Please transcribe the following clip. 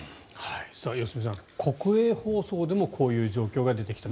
良純さん国営放送でもこういう状況が出てきた。